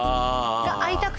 会いたくて。